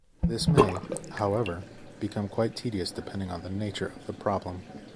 This may, however, become quite tedious depending on the nature of the problem.